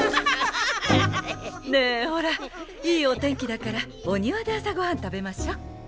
ねえほらいいお天気だからお庭で朝ごはん食べましょ。